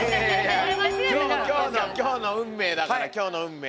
今日の運命だから今日の運命。